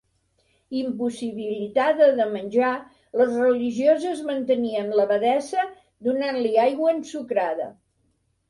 Impossibilitada de menjar, les religioses mantenien l'abadessa donant-li aigua ensucrada.